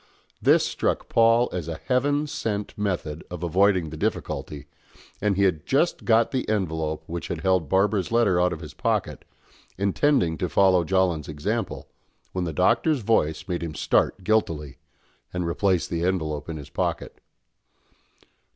This struck Paul as a heaven sent method of avoiding the difficulty, and he had just got the envelope which had held Barbara's letter out of his pocket, intending to follow Jolland's example, when the Doctor's voice made him start guiltily and replace the envelope in his pocket.